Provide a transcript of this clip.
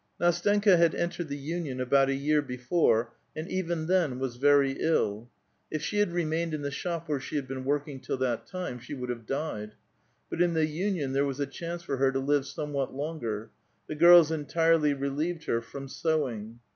Ndstenka had entered the union about a year before, and even then was very ill. If she hnd remained in the shop where she had been working till that time, she would have died. But in the union there was a chnnce for her to live somewhat longer. The girls entirely relieved her from sew ing.